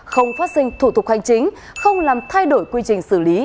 không phát sinh thủ tục hành chính không làm thay đổi quy trình xử lý